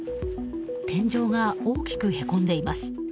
天井が大きくへこんでいます。